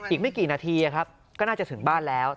อีกไม่กี่นาทีก็น่าจะถึงบ้านแล้ว